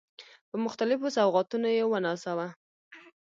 په مختلفو سوغاتونو يې ونازاوه.